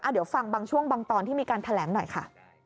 เดี๋ยวฟังบางช่วงบางตอนที่มีการแถลงหน่อยค่ะ